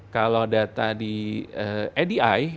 kalau data di edi